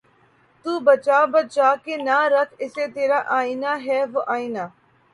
تو بچا بچا کے نہ رکھ اسے ترا آئنہ ہے وہ آئنہ